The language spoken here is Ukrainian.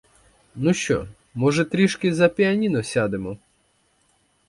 Ну що, може, трішки за піаніно сядемо?